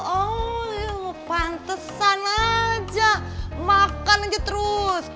oh yuk pantesan aja makan aja terus